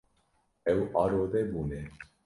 Ew arode bûne.